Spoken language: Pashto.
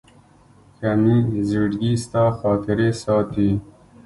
که مي زړګي ستا خاطرې ساتي